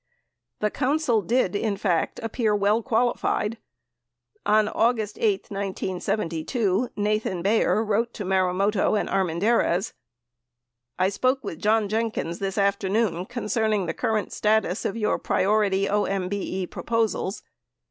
7 The council did, in fact, appear well qualified. On August 8, 1972, Nathan Bayer wrote Marumoto and Armendariz : I Spoke with John Jenkins this afternoon concerning the current status of your priority OMBE proposals.